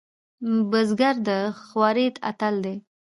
بزګر د خوارۍ اتل دی